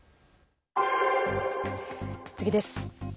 次です。